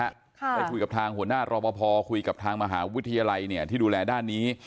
ได้คุยกับทางหัวหน้ารอปภคุยกับทางมหาวิทยาลัยเนี่ยที่ดูแลด้านนี้